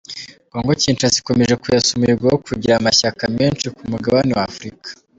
Congo Kinshasa ikomeje kwesa umuhigo wo kugira amashyaka menshi ku mugabane wa Afurika.